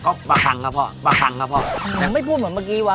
ก็ปลาขังครับพ่อปลาขังครับพ่อหือไม่พูดเหมือนเมื่อกี้ว่ะ